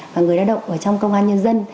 và người lao động ở trong công an nhân dân